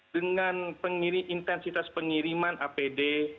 dengan intensitas pengiriman apd